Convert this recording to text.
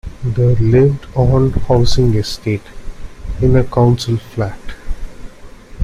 The lived on a housing estate, in a council flat